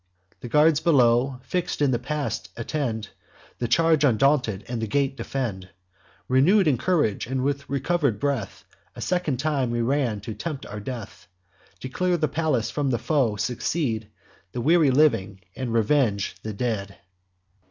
The guards below, fix'd in the pass, attend The charge undaunted, and the gate defend. Renew'd in courage with recover'd breath, A second time we ran to tempt our death, To clear the palace from the foe, succeed The weary living, and revenge the dead.